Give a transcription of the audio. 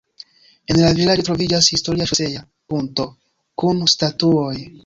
En la vilaĝo troviĝas historia ŝosea ponto kun statuoj.